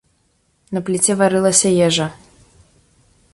На пліце варылася ежа.